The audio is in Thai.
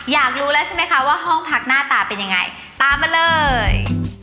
อยากรู้แล้วใช่ไหมคะว่าห้องพักหน้าตาเป็นยังไงตามมาเลย